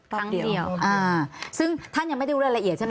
ครั้งเดียวอ่าซึ่งท่านยังไม่ได้รู้รายละเอียดใช่ไหม